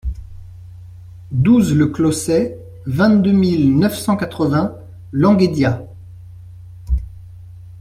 douze le Closset, vingt-deux mille neuf cent quatre-vingts Languédias